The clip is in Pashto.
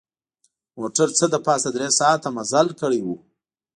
موټر څه د پاسه درې ساعته مزل کړی و.